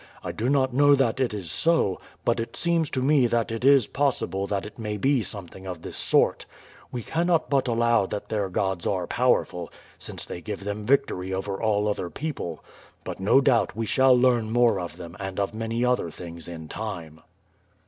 I do not know that it is so, but it seems to me that it is possible that it may be something of this sort. We cannot but allow that their gods are powerful, since they give them victory over all other people; but no doubt we shall learn more of them and of many other things in time."